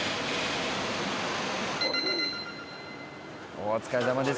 お疲れさまです。